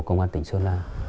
chào bà con